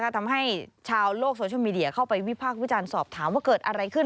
ทำให้ชาวโลกโซเชียลมีเดียเข้าไปวิพากษ์วิจารณ์สอบถามว่าเกิดอะไรขึ้น